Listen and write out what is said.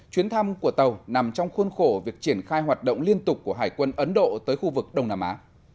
chuyến thăm của tàu nằm trong khuôn khổ việc triển khai hoạt động liên tục của hải quân ấn độ tới khu vực đông nam á